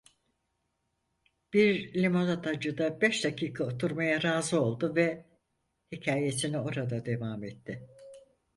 Bir limonatacıda beş dakika oturmaya razı oldu ve hikâyesine orada devam etti.